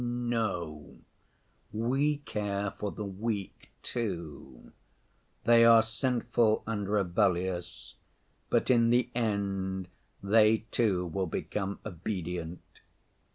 No, we care for the weak too. They are sinful and rebellious, but in the end they too will become obedient.